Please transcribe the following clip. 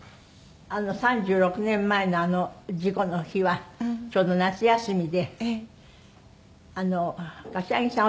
３６年前のあの事故の日はちょうど夏休みで柏木さん